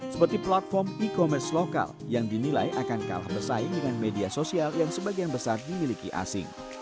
seperti platform e commerce lokal yang dinilai akan kalah bersaing dengan media sosial yang sebagian besar dimiliki asing